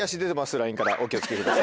ラインからお気を付けください。